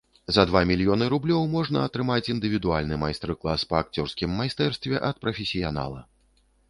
За два мільёны рублёў можна атрымаць індывідуальны майстар-клас па акцёрскім майстэрстве ад прафесіянала.